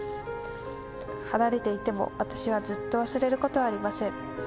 離れていても私はずっと忘れることはありません。